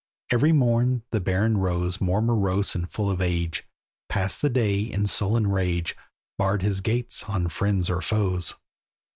Every morn the Baron rose More morose and full of age; Passed the day in sullen rage, Barred his gates on friends or foes.